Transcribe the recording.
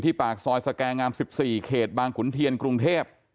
ปากซอยสแกงาม๑๔เขตบางขุนเทียนกรุงเทพ